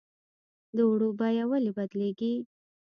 د اوړو بیه ولې بدلیږي؟